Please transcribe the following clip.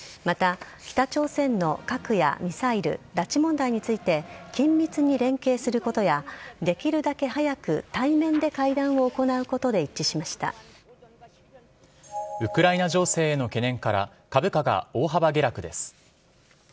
また、北朝鮮の核やミサイル拉致問題について緊密に連携することやできるだけ早く対面で会談を行うことでウクライナ情勢への懸念から株価が大幅下落です。